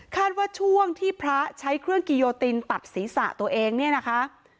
ว่าช่วงที่พระใช้เครื่องกิโยตินตัดศีรษะตัวเองเนี่ยนะคะ